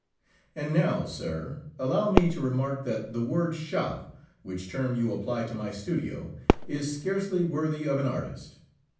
"And now, sir, allow me to remark that the word shop, which term you apply to my studio, is scarcely worthy of an artist.